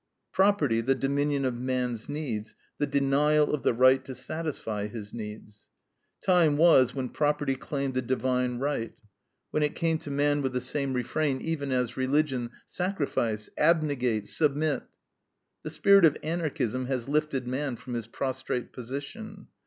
Property, the dominion of man's needs, the denial of the right to satisfy his needs. Time was when property claimed a divine right, when it came to man with the same refrain, even as religion, "Sacrifice! Abnegate! Submit!" The spirit of Anarchism has lifted man from his prostrate position.